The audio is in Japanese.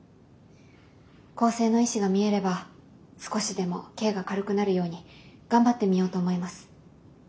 更生の意思が見えれば少しでも刑が軽くなるように頑張ってみようと思います。